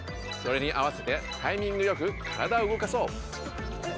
それにあわせてタイミングよくからだを動かそう！